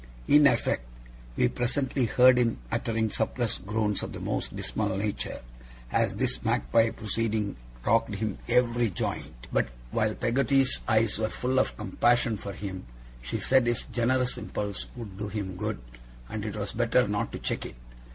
In effect, we presently heard him uttering suppressed groans of the most dismal nature, as this magpie proceeding racked him in every joint; but while Peggotty's eyes were full of compassion for him, she said his generous impulse would do him good, and it was better not to check it.